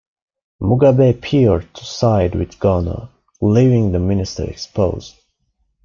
Mugabe appeared to side with Gono, leaving the minister exposed.